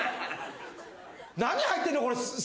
何入ってんの？